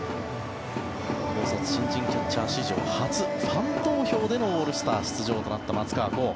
高卒新人キャッチャー史上初ファン投票でのオールスター出場となった松川虎生。